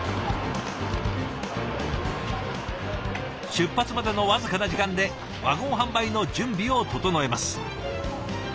出発までの僅かな時間でワゴン販売の準備を整えます。